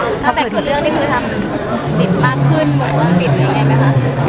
ตั้งแต่กฎเรื่องที่คือทำติดมากขึ้นมุมความติดอย่างไรไหมคะ